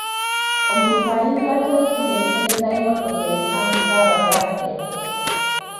Omuntu ayinza atya okufuna empeereza y'emmotoka ezitambuza abalwadde?